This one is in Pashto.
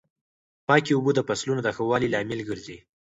پاکې اوبه د فصلونو د ښه والي لامل ګرځي.